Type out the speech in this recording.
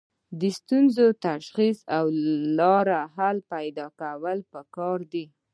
د ستونزو تشخیص او حل لاره پیدا کول پکار دي.